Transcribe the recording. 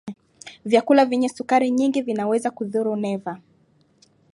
vyakula vyenye sukari nyingi vinaweza kudhuru neva